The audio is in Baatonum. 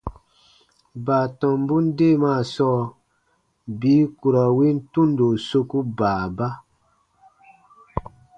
Baatɔmbun deemaa sɔɔ bii ku ra win tundo soku baaba.